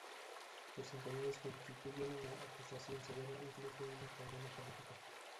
Los engañados constituyen una acusación severa, incluso una condena política.